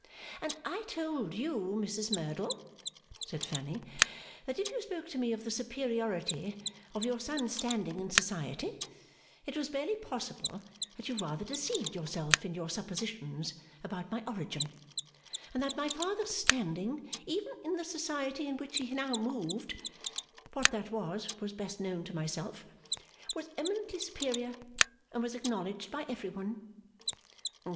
'And I told you, Mrs Merdle,' said Fanny, 'that if you spoke to me of the superiority of your son's standing in Society, it was barely possible that you rather deceived yourself in your suppositions about my origin; and that my father's standing, even in the Society in which he now moved (what that was, was best known to myself), was eminently superior, and was acknowledged by every one.